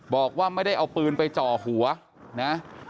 บอกว่าไม่ได้เอาปืนไปจ่อหัวนะ